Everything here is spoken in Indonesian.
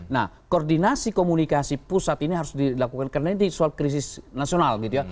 nah koordinasi komunikasi pusat ini harus dilakukan karena ini soal krisis nasional gitu ya